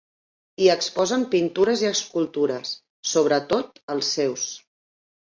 Hi exposen pintures i escultures, sobretot els seus.